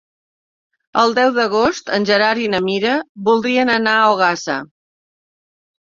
El deu d'agost en Gerard i na Mira voldrien anar a Ogassa.